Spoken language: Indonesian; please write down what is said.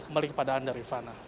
kembali kepada anda rifana